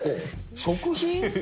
食品？